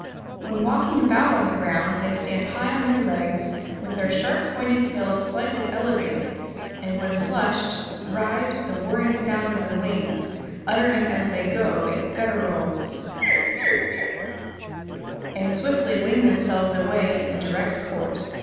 "When walking about on the ground they stand high on their legs, with their sharp pointed tails slightly elevated, and when flushed, rise with a whirring sound of the wings, uttering as they go a guttural kuk kuk kuk, and swiftly wing themselves away in a direct course.